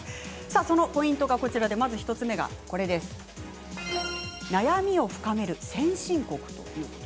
そのポイント、まず１つ目が悩みを深める先進国。